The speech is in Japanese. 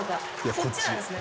そっちなんですね。